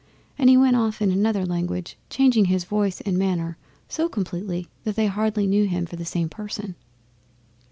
And he went off in another language, changing his voice and manner so completely that they hardly knew him for the same person.